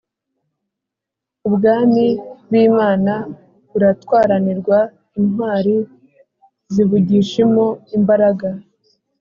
Ubwami b’imana buratwaranirwa intwari zibugishimo imbaraga